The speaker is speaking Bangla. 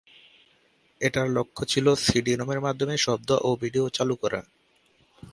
এটার লক্ষ্য ছিল সিডি-রমের মধ্যমে শব্দ ও ভিডিও চালু করা।